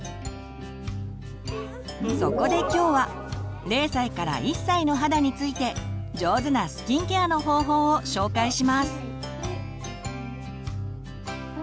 そこで今日は０歳から１歳の肌について上手なスキンケアの方法を紹介します。